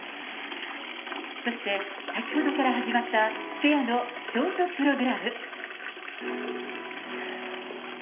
そして、先ほどから始まった、ペアのショートプログラム。